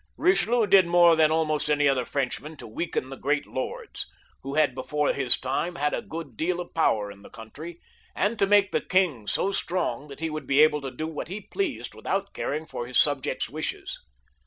Eichelieu did more than almost any other Frenchmaii to weaken the great lords, who had before his time had a good deal of power in the country, and to make the king so strong that he would be able to do what he pleased without caring for his subjects' wishes.